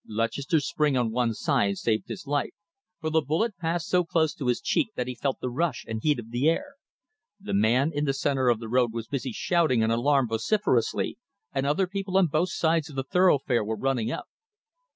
Lutchester's spring on one side saved his life, for the bullet passed so close to his cheek that he felt the rush and heat of the air. The man in the center of the road was busy shouting an alarm vociferously, and other people on both sides of the thoroughfare were running up.